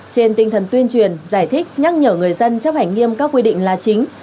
trên tinh thần tuyên truyền giải thích nhắc nhở người dân chấp hành nghiêm các quy định là chính